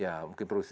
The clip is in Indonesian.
nah ketika produksi